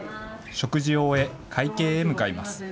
食事を終え、会計へ向かいます。